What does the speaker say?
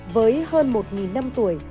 với hơn một năm tuổi